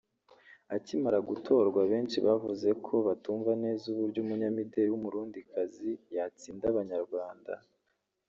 akimara gutorwa benshi bavuze ko batumva neza ‘uburyo umunyamideli w’Umurundikazi yatsinda Abanyarwanda